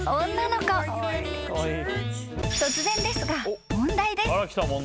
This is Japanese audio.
［突然ですが問題です］